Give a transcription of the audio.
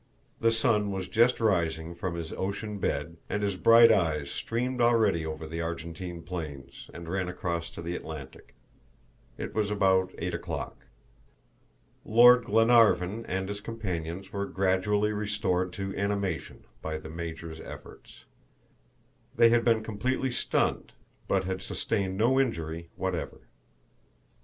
The sun was just rising from his ocean bed, and his bright rays streamed already over the Argentine plains, and ran across to the Atlantic. It was about eight o'clock. Lord Glenarvan and his companions were gradually restored to animation by the Major's efforts. They had been completely stunned, but had sustained no injury whatever.